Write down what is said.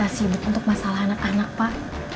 bapak tak sibuk untuk masalah anak anak pak